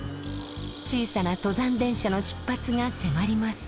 小さな登山電車の出発が迫ります。